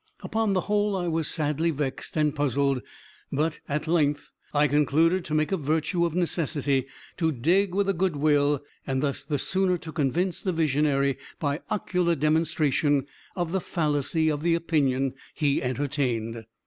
Upon the whole, I was sadly vexed and puzzled, but, at length, I concluded to make a virtue of necessity to dig with a good will, and thus the sooner to convince the visionary, by ocular demonstration, of the fallacy of the opinion he entertained.